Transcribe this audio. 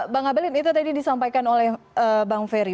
bang abalin itu tadi disampaikan oleh bang ferry